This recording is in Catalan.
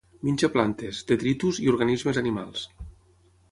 Menja plantes, detritus i organismes animals.